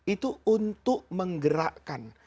itu untuk menggerakkan